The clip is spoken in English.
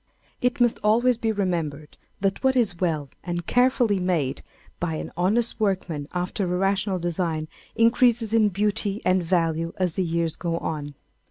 It must always be remembered that what is well and carefully made by an honest workman, after a rational design, increases in beauty and value as the years go on.